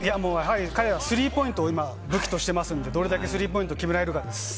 彼はスリーポイントを武器にしていますから、どれだけスリーポイントを決められるかです。